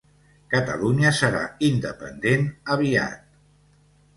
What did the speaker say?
Catalunya serà independent aviat.